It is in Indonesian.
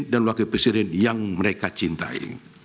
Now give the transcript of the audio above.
dan wakil presiden yang mereka cintai